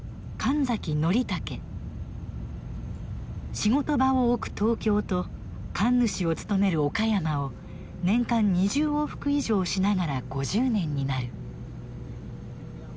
仕事場を置く東京と神主を務める岡山を年間２０往復以上しながら５０年になる。